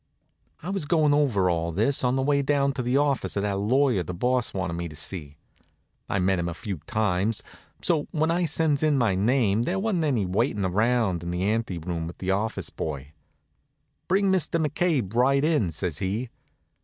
I was goin' over all this, on the way down to the office of that lawyer the Boss wanted me to see. I'd met him a few times, so when I sends in my name there wa'n't any waitin' around in the ante room with the office boy. "Bring Mr. McCabe right in," says he.